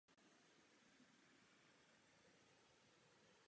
Slovo pro označení ligy bylo také "mech".